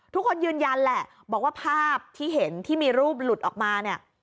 ทุกคนยืนยันแหละบอกว่าภาพที่เห็นที่มีรูปหลุดออกมาเนี่ย